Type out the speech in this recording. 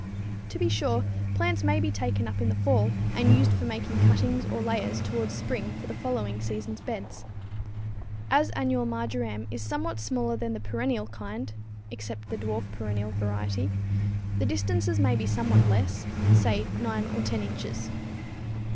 To be sure, plants may be taken up in the fall and used for making cuttings or layers towards spring for the following seasons beds. As annual marjoram is somewhat smaller than the perennial kind (except the dwarf perennial variety), the distances may be somewhat less, say 9 or 10 inches.